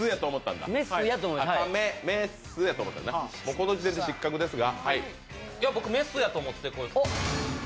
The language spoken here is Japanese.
この時点で失格ですが。